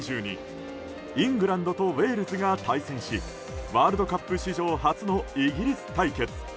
イングランドとウェールズが対戦しワールドカップ史上初のイギリス対決。